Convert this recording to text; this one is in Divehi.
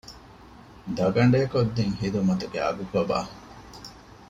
ދަގަނޑޭ ކޮށްދިން ހިދުމަތުގެ އަގު ކޮބާ؟